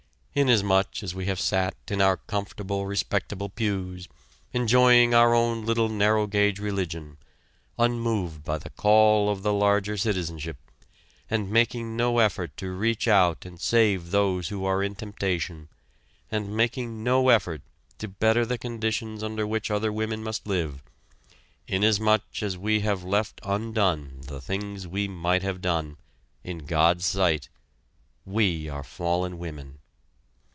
Inasmuch as we have sat in our comfortable respectable pews enjoying our own little narrow gauge religion, unmoved by the call of the larger citizenship, and making no effort to reach out and save those who are in temptation, and making no effort to better the conditions under which other women must live inasmuch as we have left undone the things we might have done in God's sight we are fallen women!